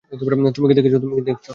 তুমি কী দেখছো?